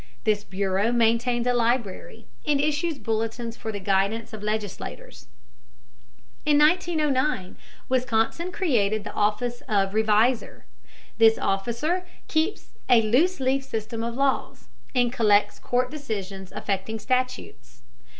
This bureau maintains a library, and issues bulletins for the guidance of legislators. In 1909 Wisconsin created the office of reviser. This officer keeps a loose leaf system of laws, and collects court decisions affecting statutes.